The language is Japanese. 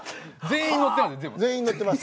全員載ってます。